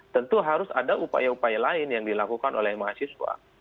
tentu harus ada upaya upaya lain yang dilakukan oleh mahasiswa